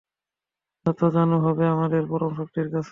নতজানু হবে আমাদের পরম শক্তির কাছে।